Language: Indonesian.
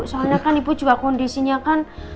soalnya kan ibu juga kondisinya kan